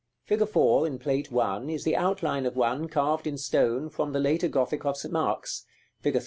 Fig. 4. in Plate I, is the outline of one, carved in stone, from the later Gothic of St. Mark's; fig.